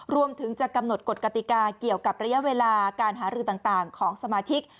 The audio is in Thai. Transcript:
รวมถึงจะกำหนดกฎกติกาเกี่ยวกับระยะเวลาการหารือต่างของสมาชิก